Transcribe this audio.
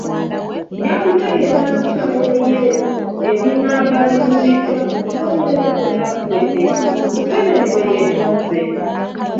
Nja kutegeeza aba famire ye ebinaaba bizuuliddwa ng'okunoonyereza kwonna kuwedde.”Museveni bwe yeetonze.